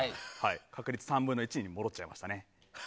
確率、３分の１に戻っちゃいましたね。